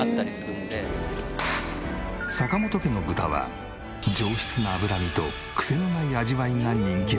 坂本家の豚は上質な脂身とクセのない味わいが人気で。